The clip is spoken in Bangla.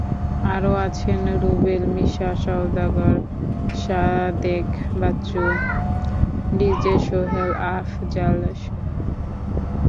আরও আছেন রুবেল, মিশা সওদাগর, সাদেক বাচ্চু, ডিজে সোহেল, আফজাল শরিফ প্রমুখ।